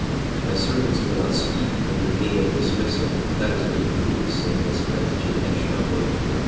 "My servants will not speak under pain of dismissal, if that is what you mean," said Miss Plantagenet, sharply.